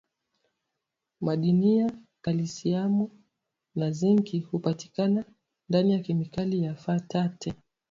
madiniya kalisiamu na zinki hupatikana ndani ya kemikali ya phytate